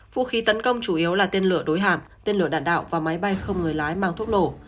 vũ khí tấn công chủ yếu là tên lửa đối hạm tên lửa đạn đạo và máy bay không người lái mang thuốc nổ